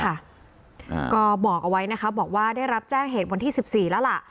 อ่าก็บอกเอาไว้นะคะบอกว่าได้รับแจ้งเหตุวันที่สิบสี่แล้วล่ะ